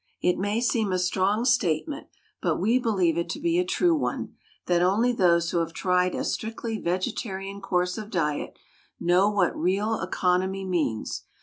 It may seem a strong statement, but we believe it to be a true one, that only those who have tried a strictly vegetarian course of diet know what real economy means.